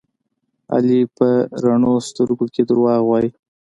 علي په رڼو سترګو کې دروغ وایي.